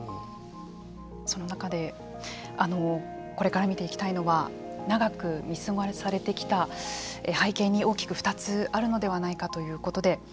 その中でこれから見ていきたいのは長く見過ごされてきた背景に大きく２つあるのではないかということで。